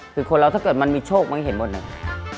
คือคนเราถ้าเกิดมันมีโชคมันก็เห็นหมดเลย